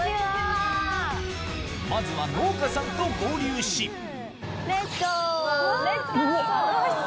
まずは農家さんと合流しレッツゴー！